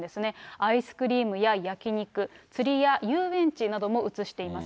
アイスクリームや焼き肉、釣りや遊園地なども映しています。